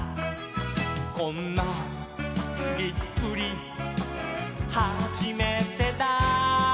「こんなびっくりはじめてだ」